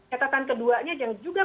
catatan keduanya yang juga